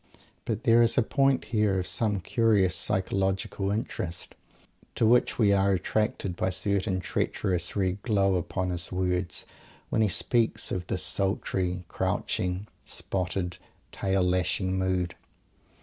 But there is a point here of some curious psychological interest, to which we are attracted by a certain treacherous red glow upon his words when he speaks of this sultry, crouching, spotted, tail lashing mood.